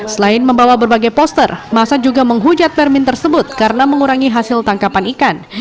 selain membawa berbagai poster masa juga menghujat permin tersebut karena mengurangi hasil tangkapan ikan